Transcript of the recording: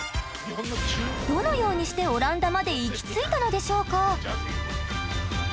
どのようにしてオランダまで行き着いたのでしょうか？